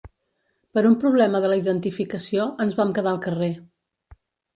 Per un problema de la identificació, ens vam quedar al carrer.